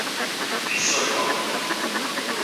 必需品